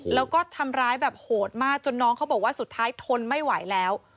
แล้วก็ทำร้ายแบบโหดมากจนน้องเขาบอกว่าสุดท้ายทนไม่ไหวแล้ว